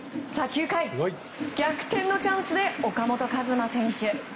９回、逆転のチャンスで岡本和真選手。